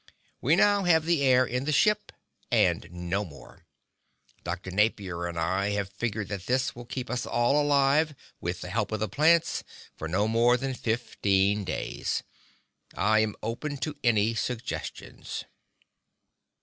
We now have the air in the ship, and no more. Dr. Napier and I have figured that this will keep us all alive with the help of the plants for no more than fifteen days. I am open to any suggestions!"